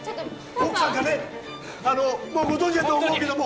奥さんかねあのもうご存じやと思うけども